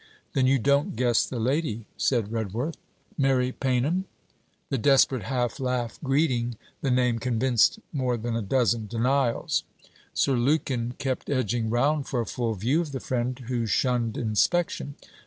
'Then you don't guess the lady,' said Redworth. 'Mary Paynham?' The desperate half laugh greeting the name convinced more than a dozen denials. Sir Lukin kept edging round for a full view of the friend who shunned inspection.